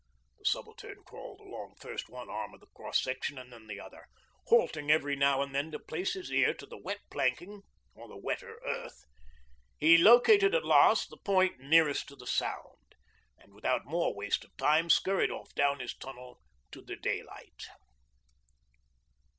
The Subaltern crawled along first one arm of the cross section and then the other, halting every now and then to place his ear to the wet planking or the wetter earth. He located at last the point nearest to the sound, and without more waste of time scurried off down his tunnel to daylight.